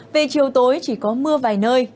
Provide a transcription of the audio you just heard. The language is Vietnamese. về chiều tối chỉ có mưa vài nơi